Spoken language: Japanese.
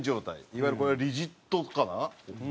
いわゆるこれはリジッドかな？